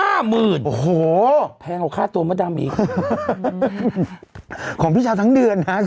ห้ามืนโอหูแพงแล้วค่าตัวมัดตามอีกฮะฮะของพี่เฉมต์ทั้งเดือนน่ะ